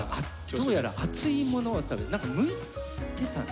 どうやら熱いものを食べ何かむいてたね。